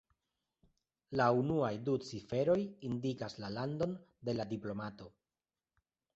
La unuaj du ciferoj indikas la landon de la diplomato.